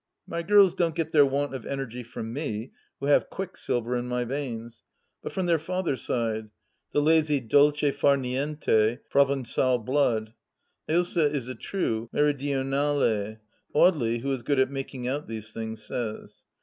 My girls don't get their want of energy from me, who have quicksilver in my veins, but from their father's side — the lazy dolce far niente Provencal blood. Ilsa is a true mirir dionale, Audely, who is good at making out these things, says.